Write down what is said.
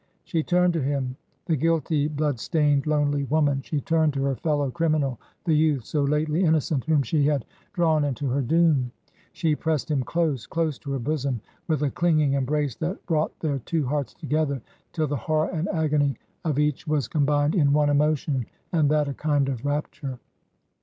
... She turned to him — the guilty, blood stained, lonely woman — she turned to her feUow criminal, the youth, so lately innocent, whom she had drawn into her doom. She pressed him close, close to her bosom, with a clinging embrace that brought their two hearts together, till the horror and agony of each 187 Digitized by VjOOQIC HEROINES OF FICTION was combined in one emotion, and that a kind of rapture.